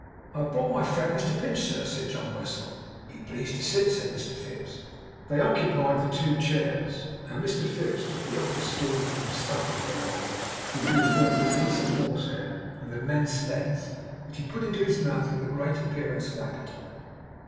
'I have brought my friend Mr Pinch, sir,' said John Westlock. 'Be pleased to sit,' said Mr Fips. They occupied the two chairs, and Mr Fips took the office stool from the stuffing whereof he drew forth a piece of horse hair of immense length, which he put into his mouth with a great appearance of appetite.